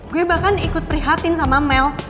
gue bahkan ikut prihatin sama mel